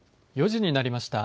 ４時になりました。